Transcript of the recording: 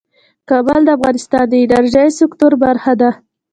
کابل د افغانستان د انرژۍ سکتور برخه ده.